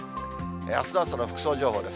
あすの朝の服装情報です。